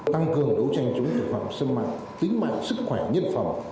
tăng cường đấu tranh chống tội phạm sân mạng tính mạng sức khỏe nhân phòng